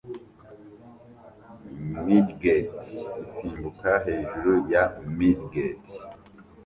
midget isimbuka hejuru ya midget